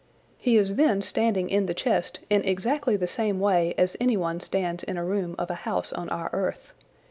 He is then standing in the chest in exactly the same way as anyone stands in a room of a home on our earth.